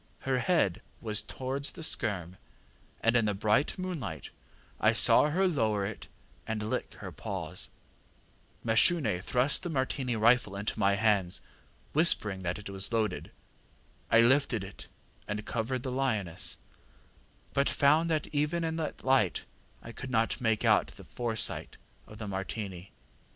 Her head was towards the skerm, and in the bright moonlight I saw her lower it and lick her paws. ŌĆ£Mashune thrust the Martini rifle into my hands, whispering that it was loaded. I lifted it and covered the lioness, but found that even in that light I could not make out the foresight of the Martini.